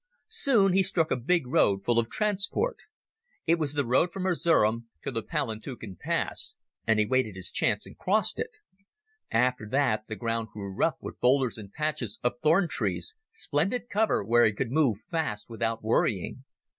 Soon he struck a big road full of transport. It was the road from Erzerum to the Palantuken pass, and he waited his chance and crossed it. After that the ground grew rough with boulders and patches of thorn trees, splendid cover where he could move fast without worrying.